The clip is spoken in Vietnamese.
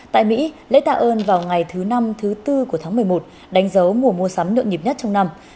tại mỹ lễ tạ ơn vào ngày thứ năm thứ tư của tháng một mươi một đánh dấu mùa mua sắm nhuận nhịp nhất trong năm